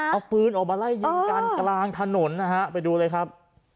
เอาปืนออกมาไล่ยิงกันกลางถนนนะฮะไปดูเลยครับ